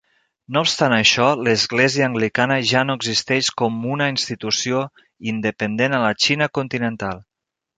No obstant això, l"església anglicana ja no existeix com una institució independent a la Xina continental.